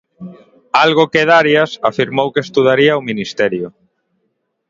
Algo que Darias afirmou que estudaría o Ministerio.